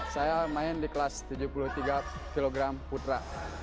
saya main di kelas tujuh puluh tiga kg putra